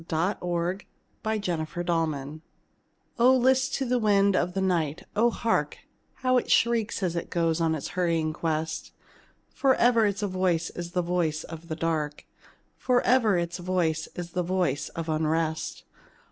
THE WIND AND THE MOON Oh, list to the wind of the night, oh, hark, How it shrieks as it goes on its hurrying quest! Forever its voice is a voice of the dark, Forever its voice is a voice of unrest.